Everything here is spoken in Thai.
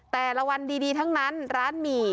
แต่ละวันดีทั้งนั้นร้านหมี่